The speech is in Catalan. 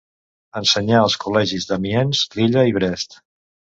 Ensenyà als col·legis d'Amiens, Lilla i Brest.